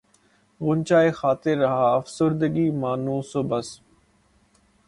غنچۂ خاطر رہا افسردگی مانوس و بس